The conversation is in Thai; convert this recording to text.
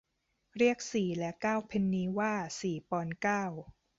เรียกสี่และเก้าเพนนีว่าสี่ปอนด์เก้า